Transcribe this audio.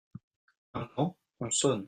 Un temps, on sonne.